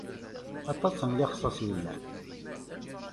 Aṭas n lexsas i yellan.